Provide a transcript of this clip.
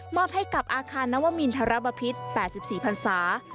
อบให้กับอาคารนวมินทรบพิษ๘๔พันศา